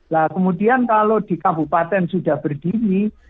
nah kemudian kalau di kabupaten sudah berdiri